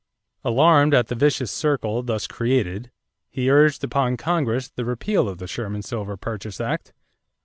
Alarmed at the vicious circle thus created, he urged upon Congress the repeal of the Sherman Silver Purchase Act.